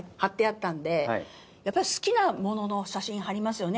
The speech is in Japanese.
やっぱり好きなものの写真張りますよね。